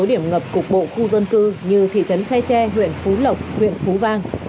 tuyến giao thông ngập cục bộ khu dân cư như thị trấn khe tre huyện phú lộc huyện phú vang